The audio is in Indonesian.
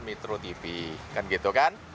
metro tv kan gitu kan